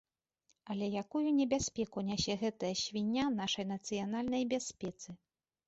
Але якую небяспеку нясе гэтая свіння нашай нацыянальнай бяспецы?